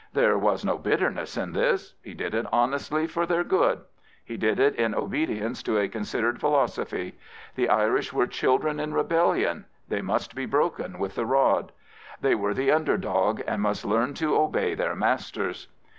There was no bitterness in this. He did it honestly for their good. He did it in obedience to a considered philosophy. The Irish were children in rebellion : they must be broken with the rod. They were the under dog and must learn to obey their masters.